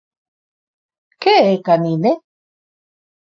Que é Canine?